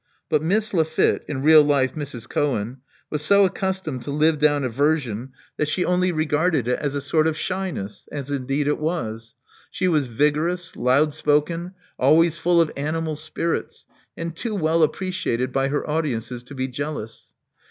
But Miss Lafitte (in real life Mrs. Cohen) was so accustomed to live down aversion, that she only Love Among the Artists 145 regarded it as a sort of shyness — as indeed it was. She was vigorous, loud spoken, always full of animal spirits, and too well appreciated by her audiences to be jealous.